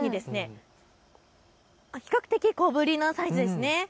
比較的、小ぶりなサイズです。